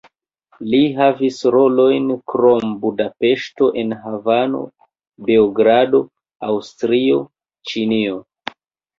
Li havis rolojn krom Budapeŝto en Havano, Beogrado, Aŭstrio, Ĉinio.